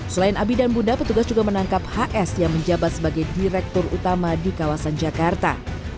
selain abi dan bunda petugas juga menangkap hs yang menjabat sebagai direktur utama di kawasan jakarta